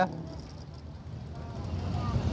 alfian baru saja tadi